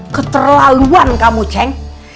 keterlaluan kamu ceng